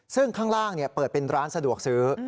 ซึ่งข้างล่างเปิดเป็นร้านสะดวกซื้อ